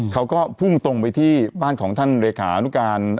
เขาก็พุ่งตรงไปที่บ้านของท่านเลขานุการ